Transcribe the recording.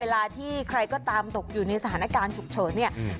เวลาที่ใครก็ตามตกอยู่ในสถานการณ์ฉุกเฉินเนี่ย